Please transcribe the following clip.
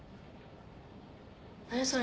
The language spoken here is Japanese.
何それ。